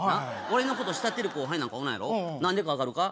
俺のこと慕ってる後輩なんかおらんやろ何でか分かるか？